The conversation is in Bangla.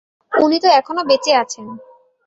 উনি তো এখনো বেচেঁও আছেন।